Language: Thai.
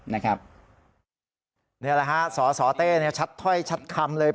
นี่แหละฮะสสเต้ชัดถ้อยชัดคำเลย